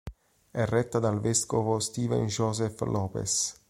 È retta dal vescovo Steven Joseph Lopes.